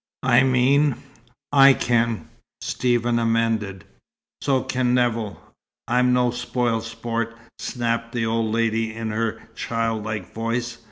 I mean, I can," Stephen amended. "So can Nevill. I'm no spoil sport," snapped the old lady, in her childlike voice.